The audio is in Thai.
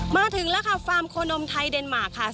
มาถึงแล้วค่ะฟาร์มโคนมไทยเดนมาร์คค่ะ